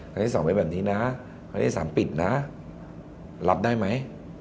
ครั้งนี้๒เป็นแบบนี้นะครั้งนี้๓ปิดนะรับได้ไหม